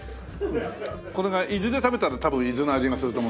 これが伊豆で食べたら多分伊豆の味がすると思う。